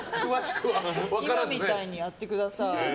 今みたいにやってください。